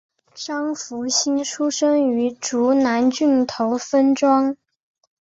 张福兴出生于竹南郡头分庄。